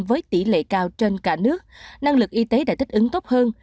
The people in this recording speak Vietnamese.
với tỷ lệ cao trên cả nước năng lực y tế đã thích ứng tốt hơn